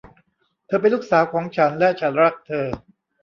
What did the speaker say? เธอเป็นลูกสาวของฉัน และฉันรักเธอ